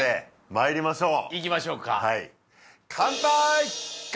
まいりましょう！